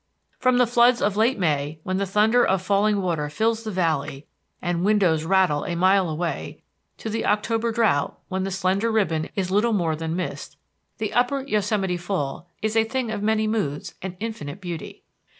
From the floods of late May when the thunder of falling water fills the valley and windows rattle a mile away, to the October drought when the slender ribbon is little more than mist, the Upper Yosemite Fall is a thing of many moods and infinite beauty.